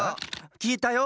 きえたよ。